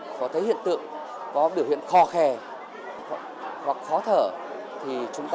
có thể hiện tượng có biểu hiện khó khe hoặc khó thở